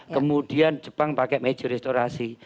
kemudian jepang pakai meja restorasi